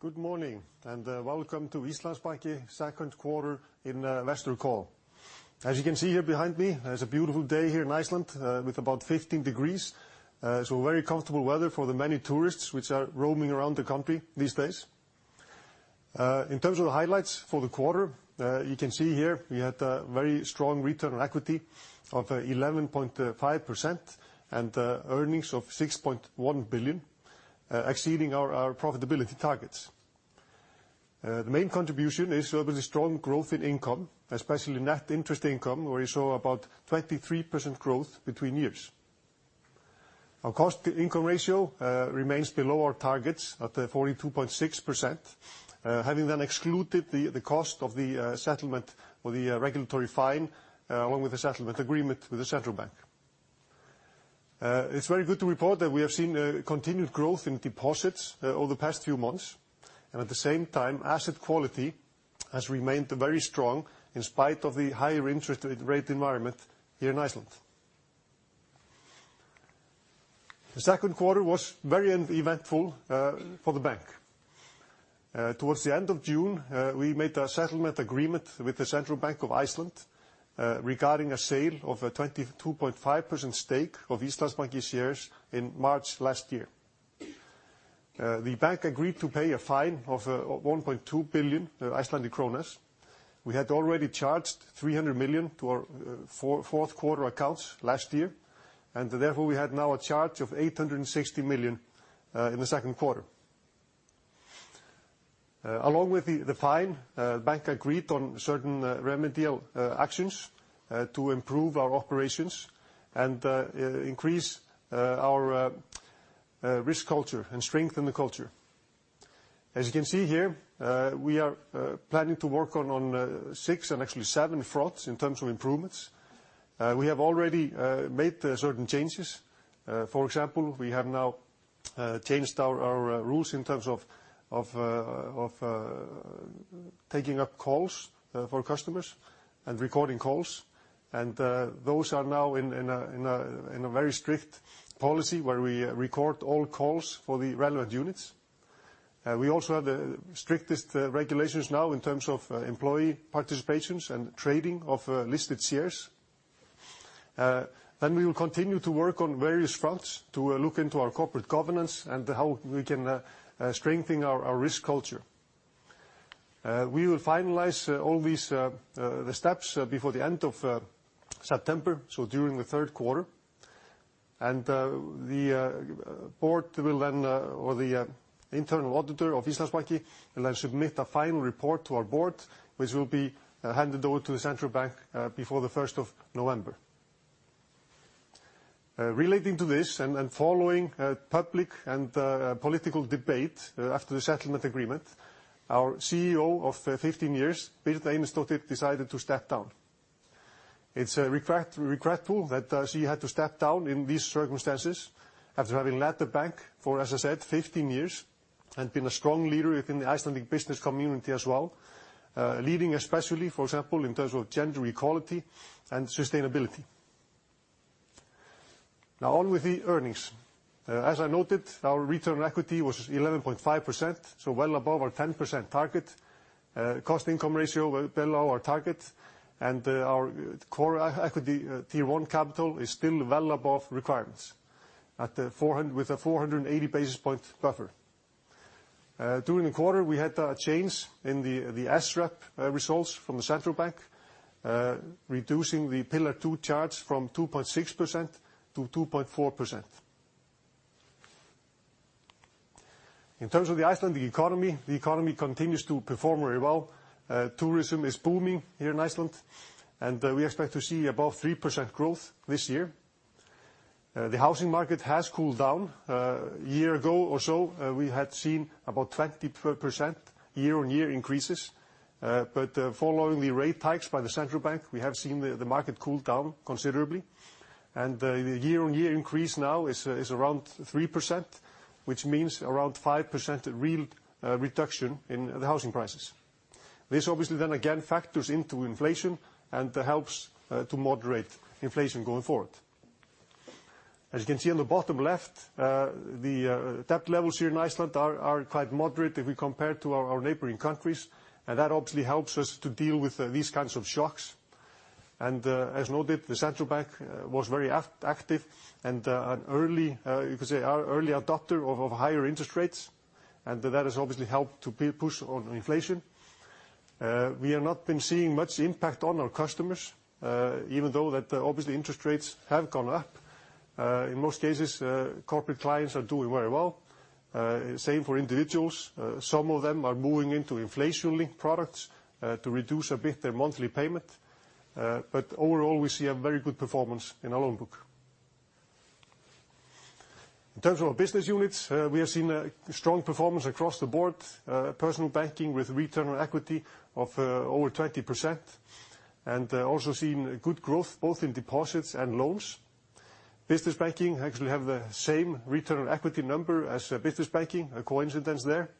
Good morning, and welcome to Íslandsbanki second quarter investor call. As you can see here behind me, it's a beautiful day here in Iceland, with about 15 degrees. So very comfortable weather for the many tourists which are roaming around the country these days. In terms of the highlights for the quarter, you can see here, we had a very strong return on equity of 11.5%, and earnings of 6.1 billion, exceeding our profitability targets. The main contribution is with the strong growth in income, especially net interest income, where we saw about 23% growth between years. Our cost to income ratio remains below our targets at 42.6%. Having then excluded the, the cost of the settlement or the regulatory fine, along with the settlement agreement with the Central Bank of Iceland. It's very good to report that we have seen continued growth in deposits over the past few months, and at the same time, asset quality has remained very strong in spite of the higher interest rate environment here in Iceland. The second quarter was very eventful for the bank. Towards the end of June, we made a settlement agreement with the Central Bank of Iceland regarding a sale of a 22.5% stake of Íslandsbanki shares in March last year. The bank agreed to pay a fine of 1.2 billion Icelandic kronur. We had already charged 300 million to our fourth quarter accounts last year, and therefore, we had now a charge of 860 million in the second quarter. Along with the fine, the bank agreed on certain remedial actions to improve our operations and increase our risk culture and strengthen the culture. As you can see here, we are planning to work on 6 and actually 7 fronts in terms of improvements. We have already made certain changes. For example, we have now changed our rules in terms of taking up calls for customers and recording calls. Those are now in a very strict policy where we record all calls for the relevant units. We also have the strictest regulations now in terms of employee participations and trading of listed shares. We will continue to work on various fronts to look into our corporate governance and how we can strengthen our risk culture. We will finalize all these steps before the end of September, so during the 3rd quarter. The board will then or the internal auditor of Íslandsbanki will then submit a final report to our board, which will be handed over to the Central Bank before the 1st of November. Relating to this and following a public and political debate after the settlement agreement, our Chief Executive Officer of 15 years, Birna Einarsdóttir, decided to step down. It's regret, regretful that she had to step down in these circumstances after having led the bank for, as I said, 15 years, and been a strong leader within the Icelandic business community as well. Leading, especially, for example, in terms of gender equality and sustainability. Now on with the earnings. As I noted, our return on equity was 11.5%, so well above our 10% target. Cost income ratio below our target, and our Core Equity Tier 1 capital is still well above requirements with a 480 basis point buffer. During the quarter, we had a change in the, the SREP results from the Central Bank, reducing the Pillar 2 charge from 2.6% to 2.4%. In terms of the Icelandic economy, the economy continues to perform very well. Tourism is booming here in Iceland, and we expect to see above 3% growth this year. The housing market has cooled down. A year ago or so, we had seen about 20% year-on-year increases. Following the rate hikes by the Central Bank, we have seen the market cool down considerably, and the year-on-year increase now is around 3%, which means around 5% real reduction in the housing prices. This obviously then again factors into inflation and helps to moderate inflation going forward. As you can see on the bottom left, the debt levels here in Iceland are quite moderate if we compare to our neighboring countries, and that obviously helps us to deal with these kinds of shocks. As noted, the Central Bank was very active and an early, you could say, early adopter of higher interest rates, and that has obviously helped to push on inflation. We have not been seeing much impact on our customers, even though that obviously interest rates have gone up. In most cases, corporate clients are doing very well. Same for individuals. Some of them are moving into inflation-linked products to reduce a bit their monthly payment. Overall, we see a very good performance in our loan book. In terms of our business units, we have seen a strong performance across the board. Personal Banking with return on equity of over 20%, and also seen good growth, both in deposits and loans. Business Banking actually have the same return on equity number as Business Banking, a coincidence there.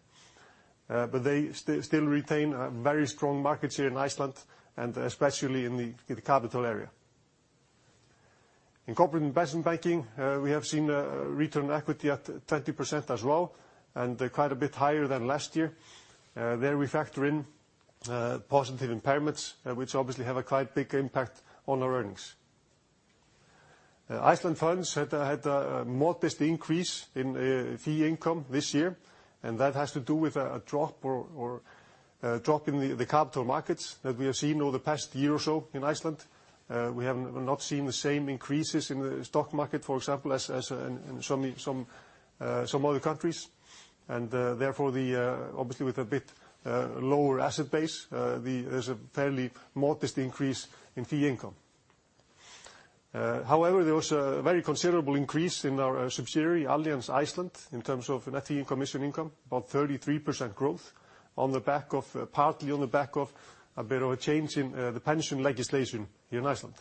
But they still, still retain a very strong markets here in Iceland, and especially in the, in the capital area. In Corporate & Investment Banking, we have seen a return equity at 20% as well, and quite a bit higher than last year. There we factor in positive impairments, which obviously have a quite big impact on our earnings. Iceland Funds had had a modest increase in fee income this year, and that has to do with a, a drop or, or, a drop in the, the capital markets that we have seen over the past year or so in Iceland. We have not seen the same increases in the stock market, for example, as, as, in, in some, some, some other countries. Therefore, the obviously, with a bit lower asset base, there's a fairly modest increase in fee income. However, there was a very considerable increase in our subsidiary, Allianz Ísland, in terms of net fee and commission income, about 33% growth on the back of, partly on the back of a bit of a change in the pension legislation here in Iceland.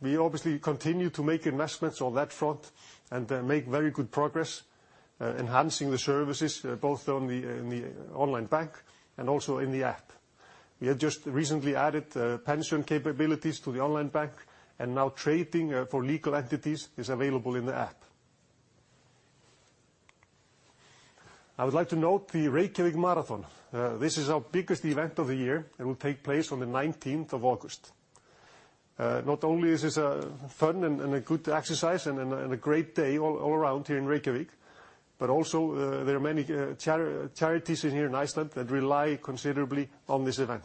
We obviously continue to make investments on that front and make very good progress enhancing the services, both on the, in the online bank and also in the app. We have just recently added pension capabilities to the online bank, and now trading for legal entities is available in the app. I would like to note the Reykjavik Marathon. This is our biggest event of the year, and will take place on the 19th of August. Not only is this fun and a good exercise and a great day all around here in Reykjavik, but also there are many charities in here in Iceland that rely considerably on this event.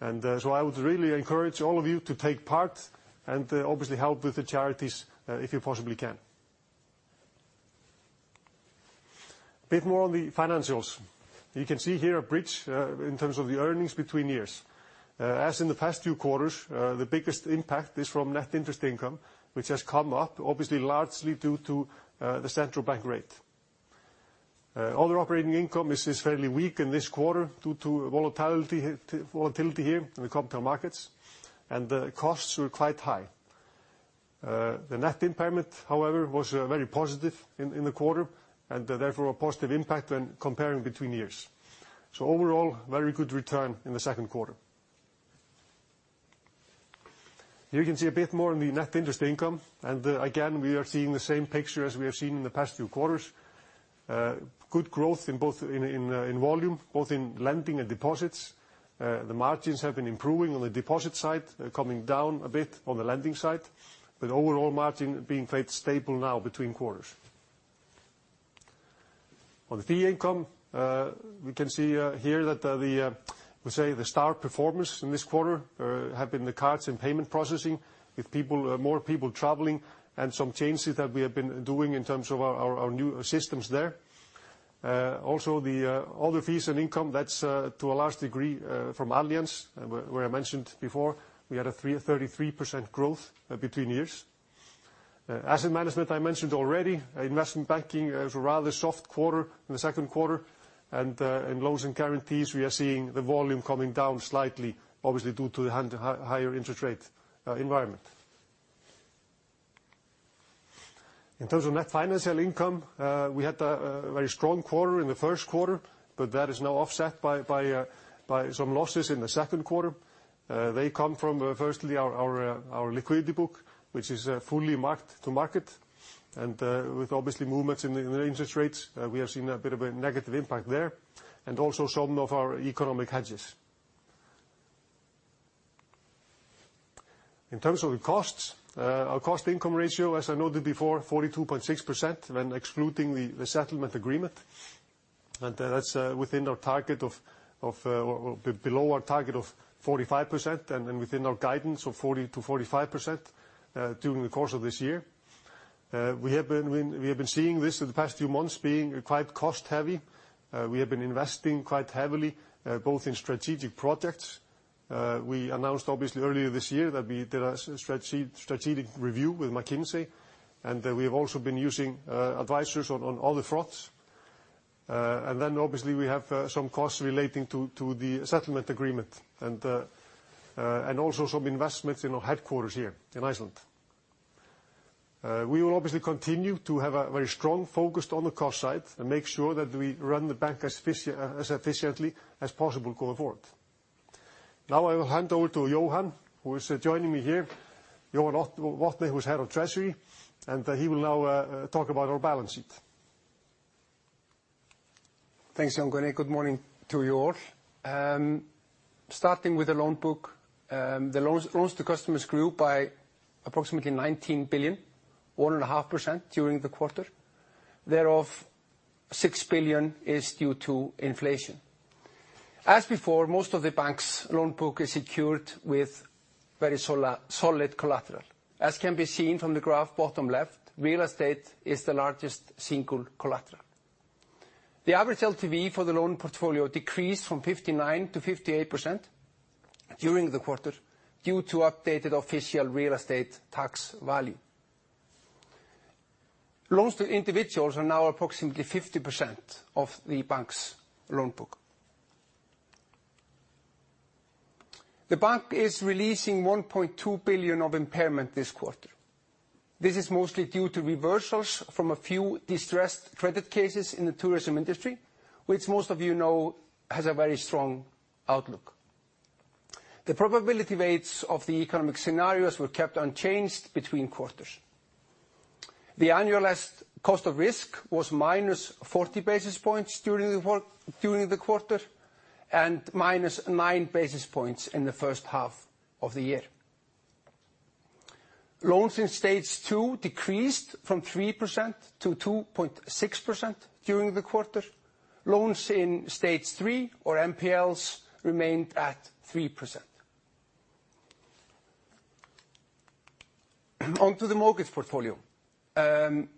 So I would really encourage all of you to take part and obviously help with the charities, if you possibly can. Bit more on the financials. You can see here a bridge in terms of the earnings between years. As in the past two quarters, the biggest impact is from net interest income, which has come up, obviously, largely due to the Central Bank rate. Other operating income is fairly weak in this quarter due to volatility here, volatility here in the capital markets, and the costs were quite high. The net impairment, however, was very positive in the quarter, and therefore, a positive impact when comparing between years. Overall, very good return in the second quarter. Here you can see a bit more on the net interest income, and again, we are seeing the same picture as we have seen in the past two quarters. Good growth in both in volume, both in lending and deposits. The margins have been improving on the deposit side, coming down a bit on the lending side, but overall margin being quite stable now between quarters. On the fee income, we can see here that the, we say, the star performance in this quarter have been the cards and payment processing, with people, more people traveling and some changes that we have been doing in terms of our, our, our new systems there. Also, the other fees and income, that's to a large degree from Allianz, where, where I mentioned before, we had a 33% growth between years. Asset management, I mentioned already. Investment banking was a rather soft quarter in the second quarter, and in loans and guarantees, we are seeing the volume coming down slightly, obviously due to the high, higher interest rate environment. In terms of net financial income, we had a very strong quarter in the first quarter, but that is now offset by, by some losses in the second quarter. They come from, firstly, our, our, our liquidity book, which is fully marked to market, and with obviously movements in the, the interest rates, we have seen a bit of a negative impact there, and also some of our economic hedges. In terms of the costs, our cost to income ratio, as I noted before, 42.6% when excluding the, the settlement agreement, and that's within our target of, of, or below our target of 45% and, and within our guidance of 40%-45% during the course of this year. We have been, we, we have been seeing this in the past few months being quite cost heavy. We have been investing quite heavily, both in strategic projects. We announced, obviously, earlier this year that we did a strategic review with McKinsey, and we have also been using advisors on other fronts. Obviously, we have some costs relating to the settlement agreement and also some investments in our headquarters here in Iceland. We will obviously continue to have a very strong focus on the cost side and make sure that we run the bank as efficiently as possible going forward. Now, I will hand over to Jóhann, who is joining me here, Jóhann Wathne, who's Head of Treasury, and he will now talk about our balance sheet. Thanks, Jón Gunnar. Good morning to you all. Starting with the loan book, the loans, loans to customers grew by approximately 19 billion, 1.5% during the quarter. Thereof, 6 billion is due to inflation. As before, most of the bank's loan book is secured with very solid collateral. As can be seen from the graph, bottom left, real estate is the largest single collateral. The average LTV for the loan portfolio decreased from 59%-58% during the quarter, due to updated official real estate tax value. Loans to individuals are now approximately 50% of the bank's loan book. The bank is releasing 1.2 billion of impairment this quarter. This is mostly due to reversals from a few distressed credit cases in the tourism industry, which most of you know, has a very strong outlook. The probability rates of the economic scenarios were kept unchanged between quarters. The annualized cost of risk was minus 40 basis points during the quarter, and minus 9 basis points in the first half of the year. Loans in Stage 2 decreased from 3% to 2.6% during the quarter. Loans in Stage 3, or NPLs, remained at 3%. On to the mortgage portfolio. The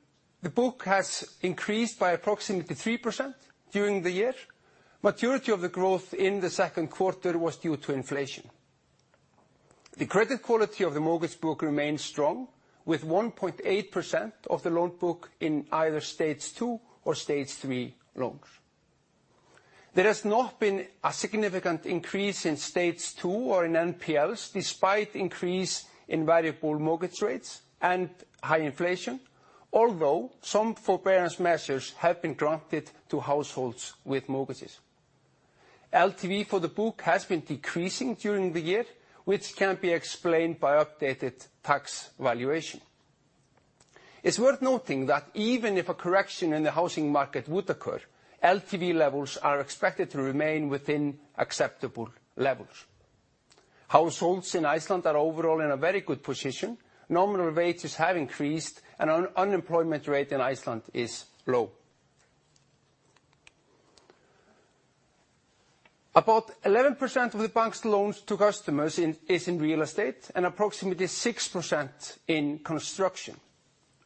book has increased by approximately 3% during the year. Maturity of the growth in the second quarter was due to inflation. The credit quality of the mortgage book remains strong, with 1.8% of the loan book in either Stage 2 or Stage 3 loans. There has not been a significant increase in Stage 2 or in NPLs, despite increase in variable mortgage rates and high inflation, although some forbearance measures have been granted to households with mortgages. LTV for the book has been decreasing during the year, which can be explained by updated tax valuation. It's worth noting that even if a correction in the housing market would occur, LTV levels are expected to remain within acceptable levels. Households in Iceland are overall in a very good position. Nominal wages have increased, and unemployment rate in Iceland is low. About 11% of the bank's loans to customers is in real estate, and approximately 6% in construction.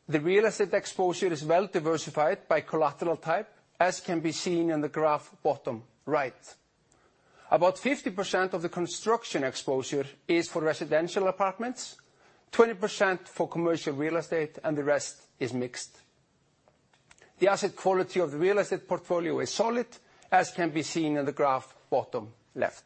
The real estate exposure is well diversified by collateral type, as can be seen in the graph, bottom right. About 50% of the construction exposure is for residential apartments, 20% for commercial real estate, and the rest is mixed. The asset quality of the real estate portfolio is solid, as can be seen in the graph, bottom left.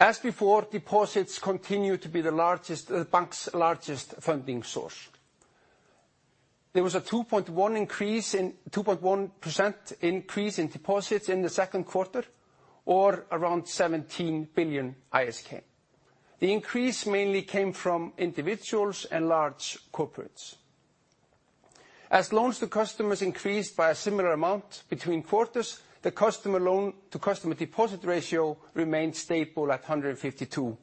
As before, deposits continue to be the largest, the bank's largest funding source. There was a 2.1% increase in deposits in the second quarter, or around 17 billion ISK. The increase mainly came from individuals and large corporates. As loans to customers increased by a similar amount between quarters, the customer loan to customer deposit ratio remained stable at 152%.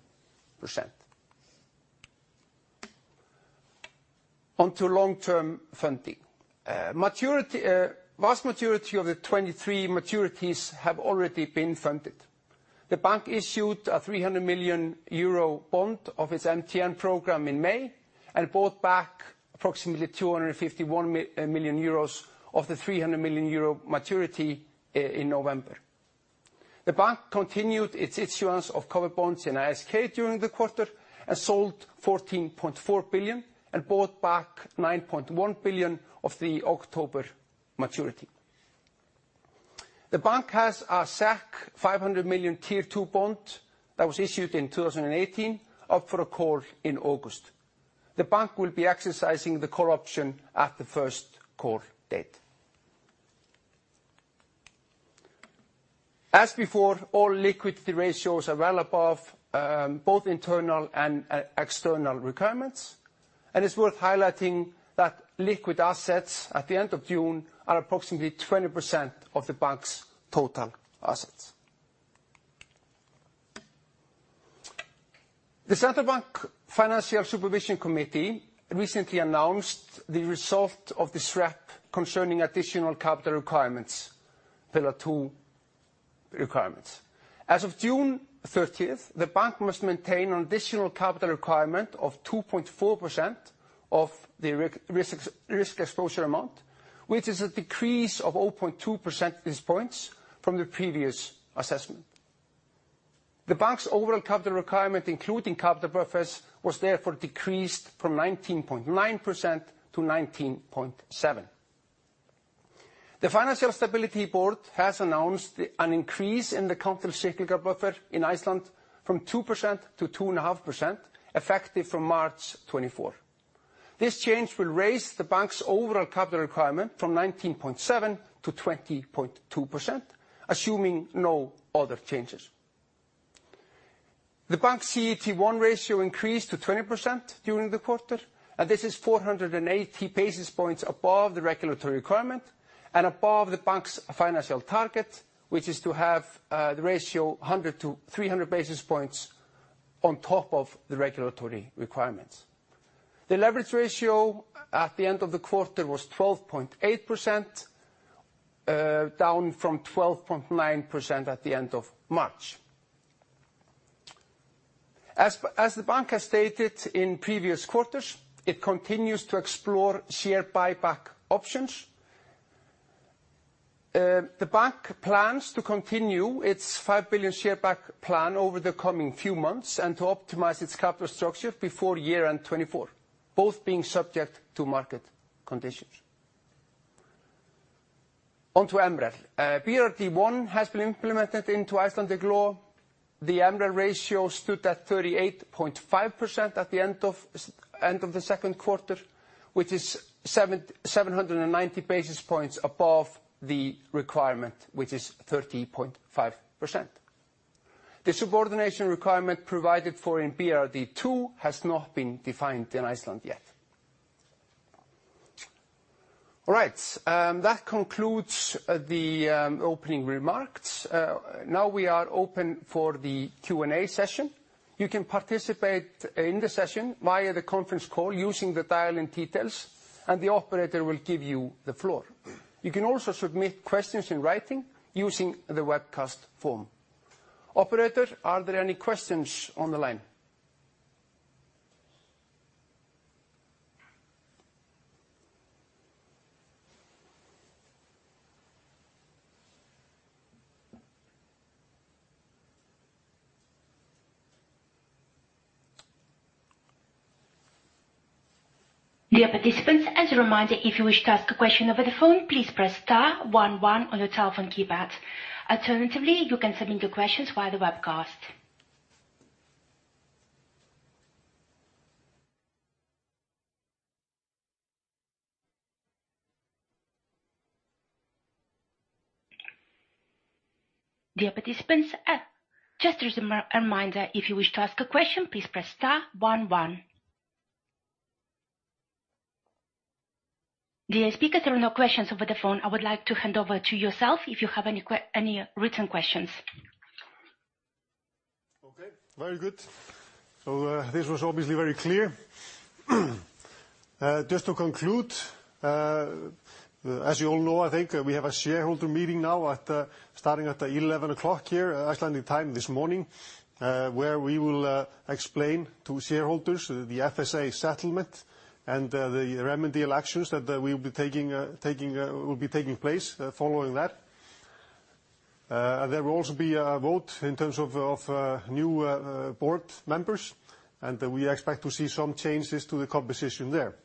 On to long-term funding. Maturity, vast majority of the 23 maturities have already been funded. The bank issued a 300 million euro bond of its MTN program in May, and bought back approximately 251 million euros of the 300 million euro maturity in November. The bank continued its issuance of covered bonds in ISK during the quarter and sold 14.4 billion, and bought back 9.1 billion of the October maturity. The bank has a 500 million Tier 2 bond that was issued in 2018, up for a call in August. The bank will be exercising the call option at the first call date. As before, all liquidity ratios are well above both internal and external requirements. It's worth highlighting that liquid assets at the end of June are approximately 20% of the bank's total assets. The Central Bank Financial Supervision Committee recently announced the result of the SREP concerning additional capital requirements, Pillar 2 requirements. As of June 30th, the bank must maintain an additional capital requirement of 2.4% of the risk exposure amount, which is a decrease of 0.2 percentage points from the previous assessment. The bank's overall capital requirement, including capital buffers, was therefore decreased from 19.9% to 19.7%. The Financial Stability Board has announced an increase in the countercyclical buffer in Iceland from 2% to 2.5%, effective from March 2024. This change will raise the bank's overall capital requirement from 19.7% to 20.2%, assuming no other changes. The bank's CET1 ratio increased to 20% during the quarter, this is 480 basis points above the regulatory requirement, and above the bank's financial target, which is to have the ratio 100-300 basis points on top of the regulatory requirements. The leverage ratio at the end of the quarter was 12.8%, down from 12.9% at the end of March. As the bank has stated in previous quarters, it continues to explore share buyback options. The bank plans to continue its 5 billion share buyback plan over the coming few months, and to optimize its capital structure before year-end 2024.... both being subject to market conditions. On to MREL. BRRD 1 has been implemented into Icelandic law. The MREL ratio stood at 38.5% at the end of the second quarter, which is 790 basis points above the requirement, which is 13.5%. The subordination requirement provided for in BRRD 2 has not been defined in Iceland yet. All right, that concludes the opening remarks. Now we are open for the Q&A session. You can participate in the session via the conference call using the dial-in details, and the operator will give you the floor. You can also submit questions in writing, using the webcast form. Operator, are there any questions on the line? Dear participants, as a reminder, if you wish to ask a question over the phone, please press star one one on your telephone keypad. Alternatively, you can submit your questions via the webcast. Dear participants, just as a reminder, if you wish to ask a question, please press star one one. Dear speakers, there are no questions over the phone. I would like to hand over to yourself if you have any written questions. Okay, very good. This was obviously very clear. Just to conclude, as you all know, I think, we have a shareholder meeting now at starting at 11:00 A.M. here, Icelandic time this morning, where we will explain to shareholders the FSA settlement and the remedial actions that we will be taking, taking, will be taking place following that. There will also be a vote in terms of of new board members, and we expect to see some changes to the composition there.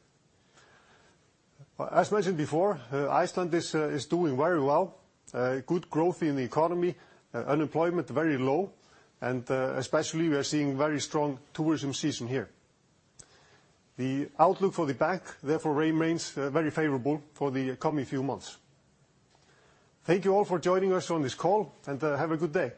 As mentioned before, Iceland is doing very well. Good growth in the economy, unemployment very low, and especially we are seeing very strong tourism season here. The outlook for the bank, therefore, remains very favorable for the coming few months. Thank you all for joining us on this call, and, have a good day.